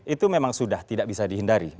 itu memang sudah tidak bisa dihindari